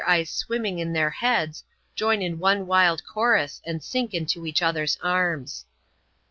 243 eyes swimming in their heads, join in one wild chorus, and sink into each other's arms.